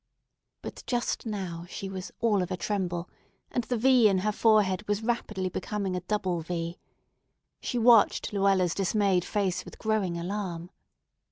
But just now she was "all of a tremble," and the V in her forehead was rapidly becoming a double V. She watched Luella's dismayed face with growing alarm.